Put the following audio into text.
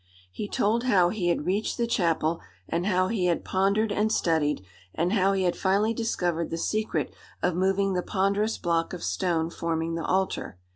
He told how he had reached the chapel, and how he had pondered and studied, and how he had finally discovered the secret of moving the ponderous block of stone forming the altar.